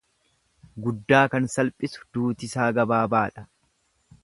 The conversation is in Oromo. Guddaa kan salphisu duutisaa gabaabaadha.